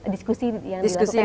diskusi yang terbuka